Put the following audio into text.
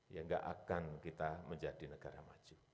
ya nggak akan kita menjadi negara maju